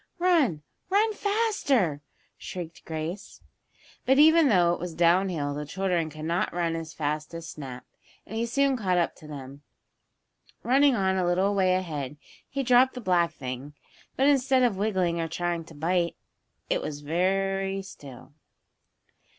"Run! Run faster!" shrieked Grace. But even though it was down hill the children could not run as fast as Snap, and he soon caught up to them. Running on a little way ahead he dropped the black thing. But instead of wiggling or trying to bite, it was I very still.